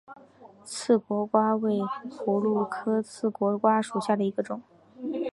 刺果瓜为葫芦科刺果瓜属下的一个种。